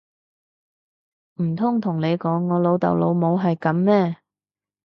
唔通同你講我老豆老母係噉咩！